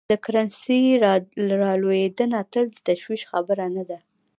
د کرنسۍ رالوېدنه تل د تشویش خبره نه ده.